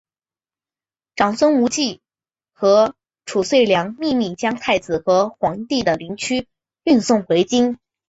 长孙无忌和褚遂良秘密将太子和皇帝的灵柩运送回京。